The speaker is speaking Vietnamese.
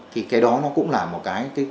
thì cái đó nó cũng là một cái